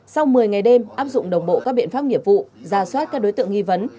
sau một mươi ngày đêm áp dụng đồng bộ các biện pháp nghiệp vụ ra soát các đối tượng nghi vấn